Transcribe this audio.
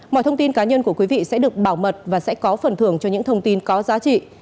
mọi thông tin cá nhân của quý vị sẽ được bảo mật và sẽ có phần thưởng cho những thông tin có giá trị